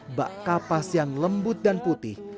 mbak kapas yang lembut dan putih